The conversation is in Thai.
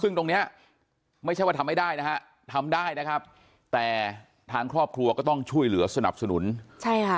ซึ่งตรงเนี้ยไม่ใช่ว่าทำไม่ได้นะฮะทำได้นะครับแต่ทางครอบครัวก็ต้องช่วยเหลือสนับสนุนใช่ค่ะ